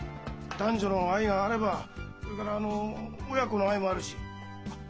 男女の愛があればそれからあの親子の愛もあるしあっ